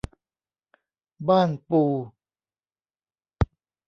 บ้านปู